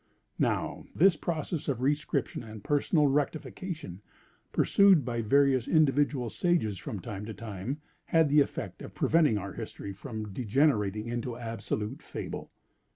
Now this process of re scription and personal rectification, pursued by various individual sages from time to time, had the effect of preventing our history from degenerating into absolute fable."